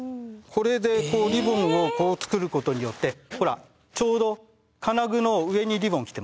これでこうリボンをこう作ることによってほらちょうど金具の上にリボン来てますよね。